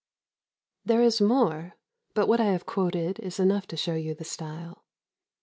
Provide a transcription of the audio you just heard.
There is more, but what I have quoted is enough to show you the style.